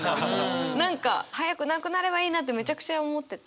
何か早くなくなればいいなってめちゃくちゃ思ってて。